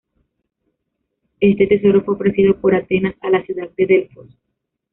Este tesoro fue ofrecido por Atenas a la ciudad de Delfos.